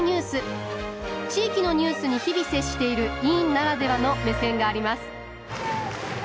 地域のニュースに日々接している委員ならではの目線があります